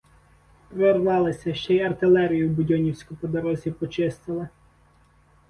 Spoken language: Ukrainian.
Прорвалися, ще й артилерію будьонівську по дорозі "почистили".